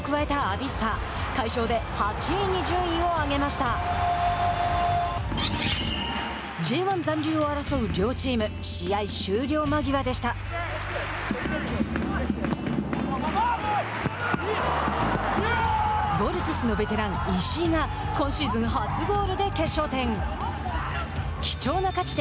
ヴォルティスのベテラン石井が今シーズン初ゴールで決勝点。